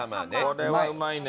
これはうまいね。